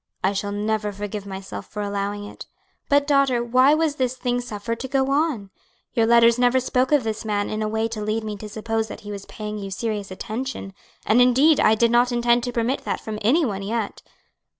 "I shall never forgive myself for allowing it. But, daughter, why was this thing suffered to go on? Your letters never spoke of this man in a way to lead me to suppose that he was paying you serious attention; and indeed I did not intend to permit that from any one yet."